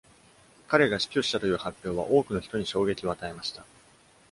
彼が死去したという発表は、多くの人に衝撃を与えました。